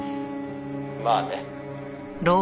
「まあね」